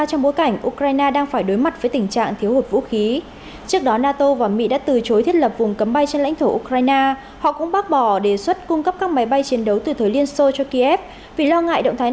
cảm ơn các bạn đã theo dõi và đăng ký kênh của chúng mình